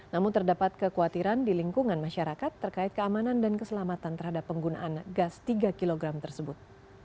namun terdapat kekhawatiran di lingkungan masyarakat terkait keamanan dan keselamatan terhadap penggunaan gas tiga kg tersebut